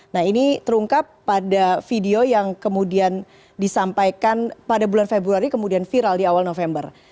nah ini terungkap pada video yang kemudian disampaikan pada bulan februari kemudian viral di awal november